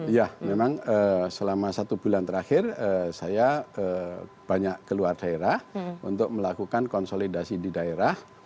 ya memang selama satu bulan terakhir saya banyak keluar daerah untuk melakukan konsolidasi di daerah